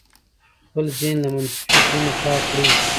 خپل ذهن له منفي فکرونو پاک کړئ.